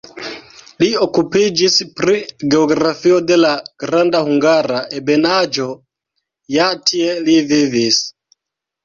Li okupiĝis pri geografio de la Granda Hungara Ebenaĵo (ja tie li vivis).